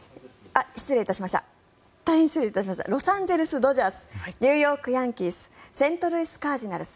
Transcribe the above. ロサンゼルス・ドジャースニューヨーク・ヤンキースセントルイス・カージナルス